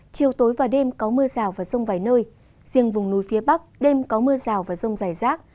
chiều tối và đêm có mưa rào và rông vài nơi riêng vùng núi phía bắc đêm có mưa rào và rông dài rác